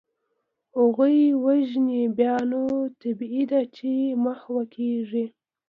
هغوی وژني، بیا نو طبیعي ده چي محوه کیږي.